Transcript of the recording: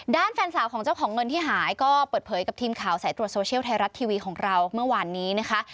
ด้านแฟนสาวของเจ้าของเงินที่หายก็เปิดเผยกับทีมข่าวสายตรวจโซเชียลไทยรัฐทีวีของเราเมื่อวานนี้นะคะ